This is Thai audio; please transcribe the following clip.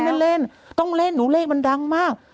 เล่นเล่นต้องเล่นหนูเลขมันดังมาก